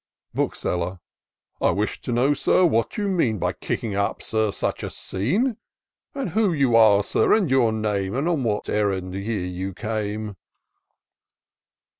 Bookseller. " I wish to know, Sir, what you mean. By kicking up, Sir, such a scene ? And who you are. Sir, and your name, And on what errand here you came